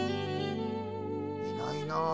いないなあ。